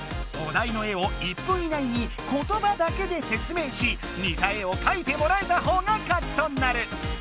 お題の絵を１分以内にことばだけで説明しにた絵をかいてもらえたほうが勝ちとなる。